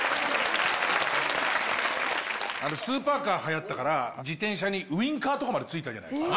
スーパーカー、はやったから、自転車にウィンカーとかまでついてたじゃないですか。